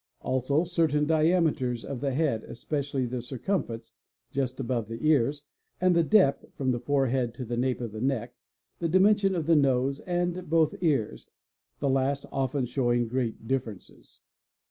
Also certain diameters of the head, especially the circumference (just above the ears) and the depth (from the forehead to the nape of the neck), the dimensions of the nose and both ears, the last often showing great differences.